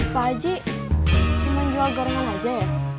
pak aji cuma jual garna aja ya